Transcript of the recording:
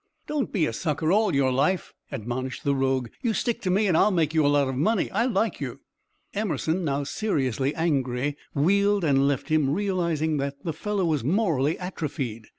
"Don't be a sucker all your life," admonished the rogue. "You stick to me, and I'll make you a lot of money. I like you " Emerson, now seriously angry, wheeled and left him, realizing that the fellow was morally atrophied.